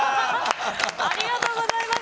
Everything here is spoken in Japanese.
ありがとうございます。